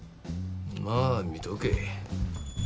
まあ見とけ。